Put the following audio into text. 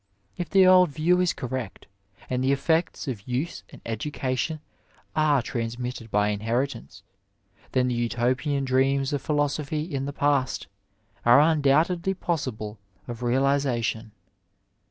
If the old view is correct, and the effects of use and education are transmitted by inheritance, then the Utopian dreams of philosophy in the past are undoubtedly possible of realiza tion.